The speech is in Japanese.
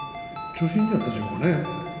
調子いいんじゃないでしょうかね。